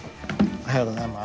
おはようございます。